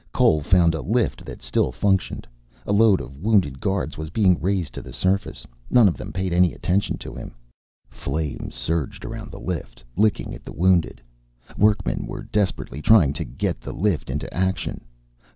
Cole found a lift that still functioned. A load of wounded guards was being raised to the surface. None of them paid any attention to him. Flames surged around the lift, licking at the wounded. Workmen were desperately trying to get the lift into action.